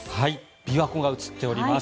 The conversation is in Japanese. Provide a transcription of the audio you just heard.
琵琶湖が映っております。